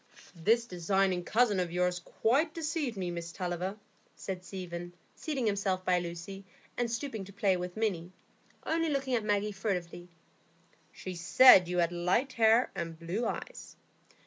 "This designing cousin of yours quite deceived me, Miss Tulliver," said Stephen, seating himself by Lucy, and stooping to play with Minny, only looking at Maggie furtively. "She said you had light hair and blue eyes."